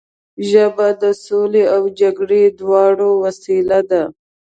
ژبه د سولې او جګړې دواړو وسیله ده